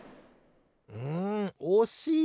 んおしい！